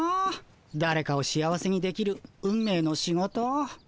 だれかを幸せにできる運命の仕事。